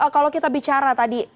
kalau kita bicara tadi